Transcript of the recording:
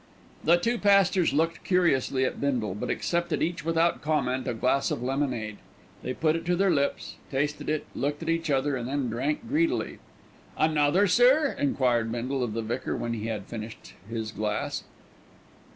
The two pastors looked curiously at Bindle, but accepted each without comment a glass of lemonade. They put it to their lips, tasted it, looked at each other and then drank greedily. "Another, sir?" enquired Bindle of the vicar when he had finished his glass.